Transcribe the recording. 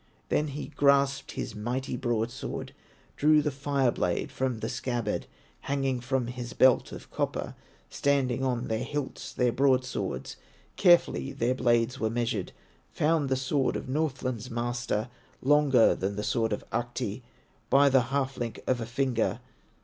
Then he grasped his mighty broadsword, Drew the fire blade from the scabbard Hanging from his belt of copper. Standing on their hilts their broadswords, Carefully their blades were measured, Found the sword of Northland's master Longer than the sword of Ahti By the half link of a finger.